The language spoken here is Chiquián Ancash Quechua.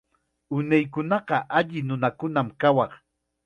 Unaykunaqa alli nunakunam kayaq.